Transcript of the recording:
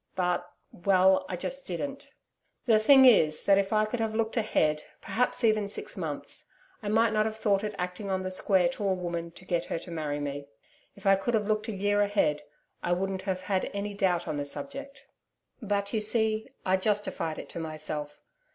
But well I just didn't. The thing is that if I could have looked ahead, perhaps even six months, I might not have thought it acting on the square to a woman to get her to marry me. If I could have looked a year ahead, I wouldn't have had any doubt on the subject. But you see I justified it to myself.